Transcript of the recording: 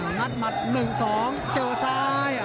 งัดหมัด๑๒เจอซ้าย